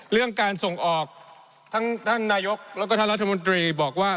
เรื่องการส่งออกทั้งท่านนายกแล้วก็ท่านรัฐมนตรีบอกว่า